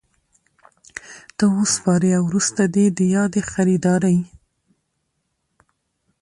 ته وسپاري او وروسته دي د یادي خریدارۍ